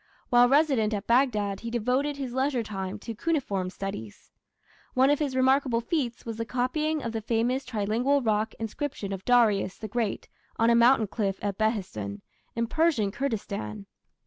While resident at Baghdad, he devoted his leisure time to cuneiform studies. One of his remarkable feats was the copying of the famous trilingual rock inscription of Darius the Great on a mountain cliff at Behistun, in Persian Kurdistan.